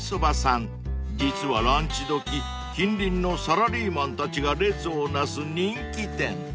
［実はランチ時近隣のサラリーマンたちが列を成す人気店］